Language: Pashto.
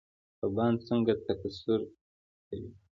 کبان څنګه تکثیر کوي؟